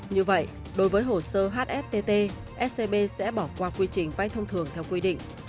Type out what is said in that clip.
như vậy đối với hồ sơ hstt scb sẽ bỏ qua quy trình vai thông thường theo quy định